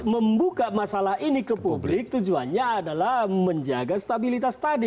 membuka masalah ini ke publik tujuannya adalah menjaga stabilitas tadi